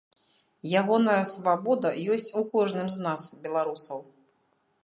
Ягоная свабода ёсць у кожным з нас, беларусаў.